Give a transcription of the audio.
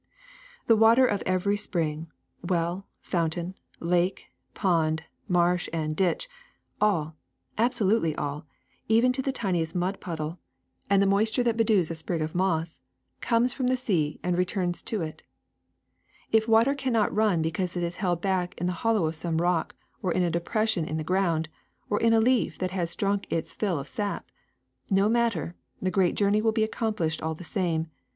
*^The water of every spring, well, fountain, lake, pond, marsh, and ditch — all, absolutely all, even to the tiniest mud puddle and the moisture that bedews SNOW 349 a sprig of moss — comes from the sea and returns to it. *^If water cannot run because it is held back in the hollow of some rock, or in a depression in the ground, or in a leaf that has drunk its fill of sap, no matter: the great journey will be accomplished all the same.